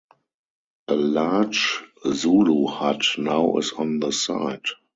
A large Zulu hut now is on the site.